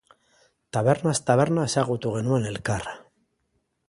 Tabernaz taberna ezagutu genuen elkar.